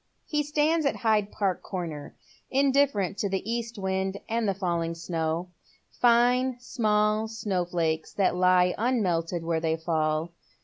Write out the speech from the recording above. He stands at Hyde Park Corner, indifferent to the east wind and the falling snow, — line small snow flakes that lie unmelted where they fall.